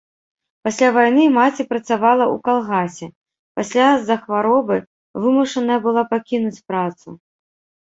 Пасля вайны маці працавала ў калгасе, пасля з-за хваробы вымушаная была пакінуць працу.